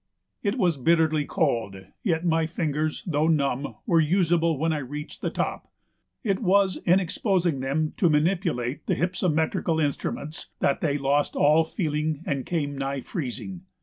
It was bitterly cold, yet my fingers, though numb, were usable when I reached the top; it was in exposing them to manipulate the hypsometrical instruments that they lost all feeling and came nigh freezing.